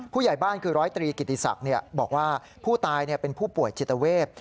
ผู้ใหญ่บ้านคือร้อยตรีกิติศักดิ์บอกว่าผู้ตายเป็นผู้ป่วยจิตเวท